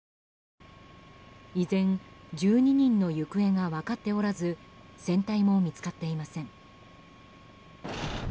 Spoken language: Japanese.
依然、１２人の行方が分かっておらず船体も見つかっていません。